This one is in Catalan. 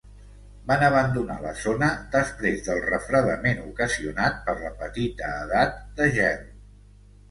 Van abandonar la zona després del refredament ocasionat per la petita edat de gel.